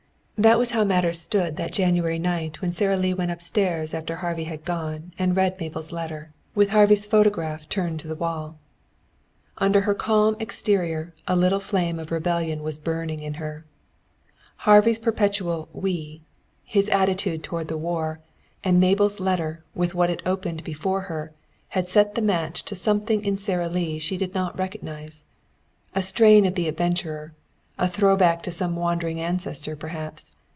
That was how matters stood that January night when Sara Lee went upstairs after Harvey had gone and read Mabel's letter, with Harvey's photograph turned to the wall. Under her calm exterior a little flame of rebellion was burning in her. Harvey's perpetual "we," his attitude toward the war, and Mabel's letter, with what it opened before her, had set the match to something in Sara Lee she did not recognize a strain of the adventurer, a throw back to some wandering ancestor perhaps.